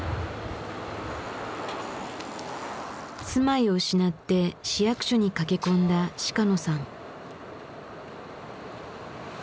住まいを失って市役所に駆け込んだ鹿野さん。